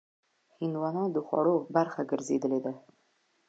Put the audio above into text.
هندوانه د خوړو برخه ګرځېدلې ده.